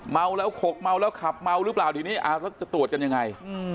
เมาแล้วขกเมาแล้วขับเมาหรือเปล่าทีนี้จะตรวจกันยังไง